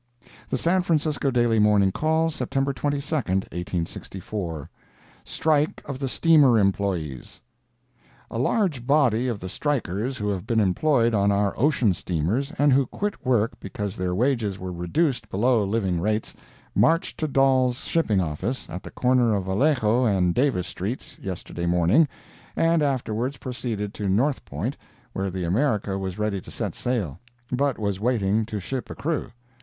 The San Francisco Daily Morning Call, September 22, 1864 STRIKE OF THE STEAMER EMPLOYEES A large body of the strikers who have been employed on our ocean steamers, and who quit work because their wages were reduced below living rates, marched to Dall's shipping office, at the corner of Vallejo and Davis streets, yesterday morning, and afterwards proceeded to North Point, where the America was ready to set sail, but was waiting to ship a crew.